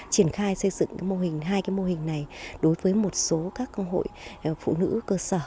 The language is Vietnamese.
triển khai xây dựng mô hình hai cái mô hình này đối với một số các hội phụ nữ cơ sở